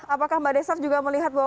apakah mbak desaf juga melihat bahwa